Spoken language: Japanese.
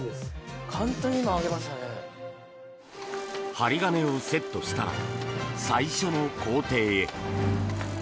針金をセットしたら最初の工程へ。